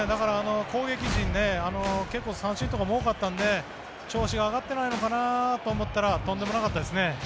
攻撃陣は結構、三振とかも多かったので調子が上がってないのかなと思ったらとんでもなかったですね。